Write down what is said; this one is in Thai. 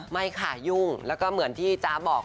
ไม่ค่ะยุ่งแล้วก็เหมือนที่จ๊ะบอก